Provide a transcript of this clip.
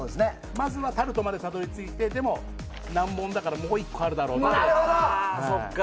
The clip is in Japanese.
まずはたるとまでたどり着いてでも、難問だからもう１個あるだろうなと。